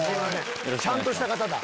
ちゃんとした方だ。